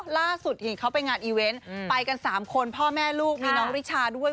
ล่าสุดเห็นเขาไปงานอีเวนต์ไปกัน๓คนพ่อแม่ลูกมีน้องริชาด้วย